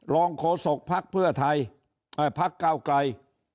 รองโขศกพักเก้าไกร